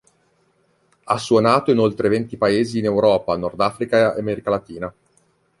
Ha suonato in oltre venti paesi in Europa, Nord Africa e America latina.